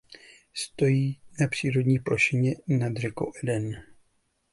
Stojí na přírodní plošině nad řekou Eden.